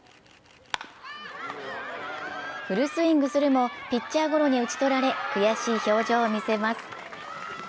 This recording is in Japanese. フルスイングするもピッチャーゴロに打ち取られ悔しい表情を見せます。